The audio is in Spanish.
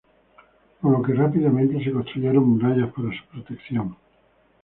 Por lo que rápidamente se construyeron murallas para su protección.